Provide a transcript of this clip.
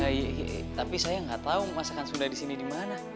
eh tapi saya nggak tau masakan sunda di sini di mana